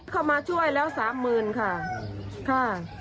เข้ามาช่วยแล้ว๓๐๐๐๐บาทค่ะ